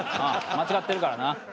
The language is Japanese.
間違ってるからな。